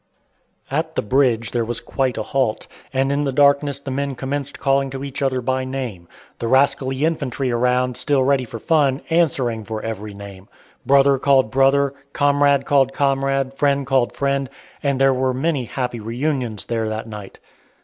At the bridge there was quite a halt, and in the darkness the men commenced calling to each other by name the rascally infantry around, still ready for fun, answering for every name. Brother called brother, comrade called comrade, friend called friend; and there were many happy reunions there that night.